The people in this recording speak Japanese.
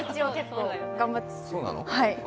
そうなの？